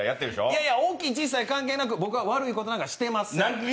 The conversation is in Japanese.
いやいや、大きい、小さい関係なく僕は悪いことはしてません。